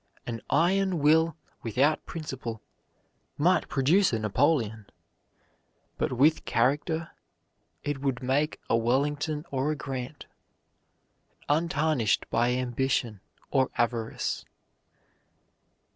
An iron will without principle might produce a Napoleon; but with character it would make a Wellington or a Grant, untarnished by ambition or avarice.